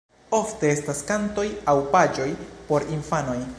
Ofte estas kantoj aŭ paĝoj por infanoj.